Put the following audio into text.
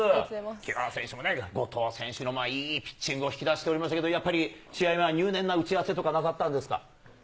清原選手もいいピッチングを引き出しておりましたけれども、試合前は入念な打ち合わせとかなさったんですか？